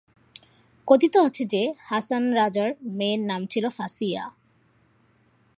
কথিত আছে যে, হাসান রাজার মেয়ের নাম ছিল ফাঁসিয়া।